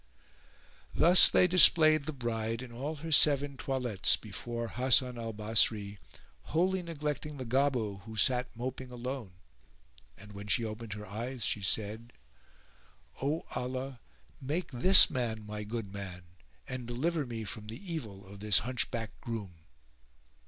Thus they displayed the bride in all her seven toilettes before Hasan al Basri, wholly neglecting the Gobbo who sat moping alone; and, when she opened her eyes [FN#417] she said, "O Allah make this man my goodman and deliver me from the evil of this hunchbacked groom."